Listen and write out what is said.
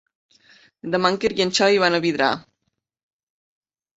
Demà en Quer i en Xavi van a Vidrà.